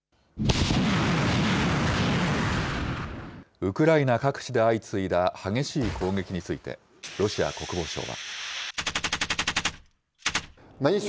ウクライナ各地で相次いだ激しい攻撃について、ロシア国防省は。